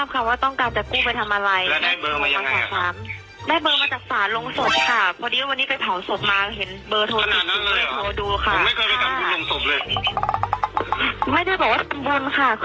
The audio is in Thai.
คนตายแล้วนะคะนี่เป็นหรือเปล่าคะ